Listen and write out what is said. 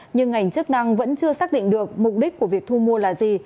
nhưng ngành chức năng vẫn chưa xác định được mục đích của việc thu mua là gì